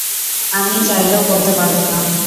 আমি চাইলেও বলতে পারবো না।